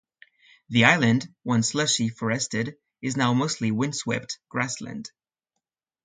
The island, once lushly forested, is now mostly windswept grasslands.